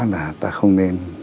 là ta không nên